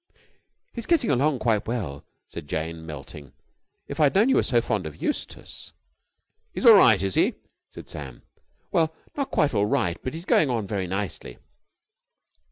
"He's getting along quite well," said Jane, melting. "If I had known you were so fond of Eustace...." "All right, is he?" said Sam. "Well, not quite all right, but he's going on very nicely."